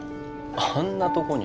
あんなとこに？